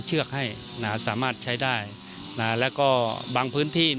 ได้จัดเตรียมความช่วยเหลือประบบพิเศษสี่ชน